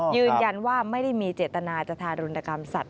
ยืนยันว่าไม่ได้มีเจตนาจะทารุณกรรมสัตว